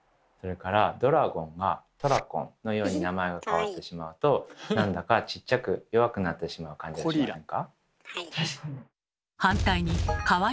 それからドラゴンが「トラコン」のように名前が変わってしまうとなんだかちっちゃく弱くなってしまう感じがしませんか？